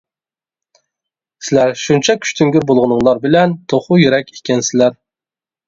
سىلەر شۇنچە كۈچتۈڭگۈر بولغىنىڭلار بىلەن توخۇ يۈرەك ئىكەنسىلەر.